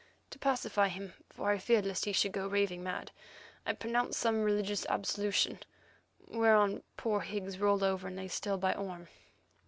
To pacify him, for I feared lest he should go raving mad, I pronounced some religious absolution, whereon poor Higgs rolled over and lay still by Orme.